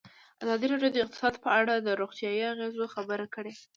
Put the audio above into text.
ازادي راډیو د اقتصاد په اړه د روغتیایي اغېزو خبره کړې.